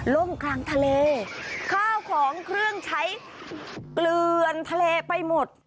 ล่มกลางทะเลข้าวของเครื่องใช้เกลือนทะเลไปหมด